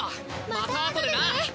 またあとでな！